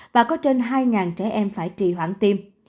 và có trên hai triệu trẻ đều được tiêm vaccine phòng covid một mươi chín